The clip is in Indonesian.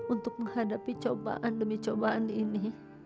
untuk menghadapi cobaan demi cobaan ini